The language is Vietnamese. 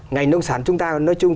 ngành nông sản chúng ta nói chung